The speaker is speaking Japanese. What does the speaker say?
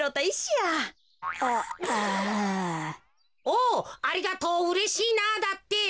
お「ありがとう。うれしいな」だって。